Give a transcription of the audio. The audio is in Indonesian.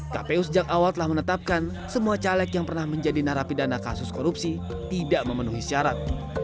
kpu sejak awal telah menetapkan semua caleg yang pernah menjadi narapidana kasus korupsi tidak memenuhi syarat